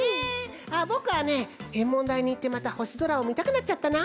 あっぼくはねてんもんだいにいってまたほしぞらをみたくなっちゃったな。